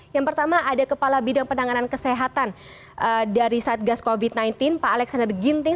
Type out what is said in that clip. yang pertama ada kepala bidang penanganan kesehatan dari satgas covid sembilan belas pak alexander ginting